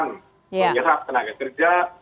menyerah tenaga kerja